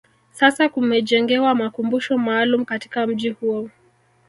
sasa kumejengewa makumbusho maalum katika mji huo